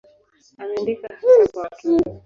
Ameandika hasa kwa watoto.